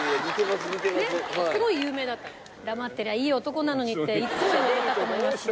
「黙ってりゃいい男なのに」っていつも言われたと思いますね。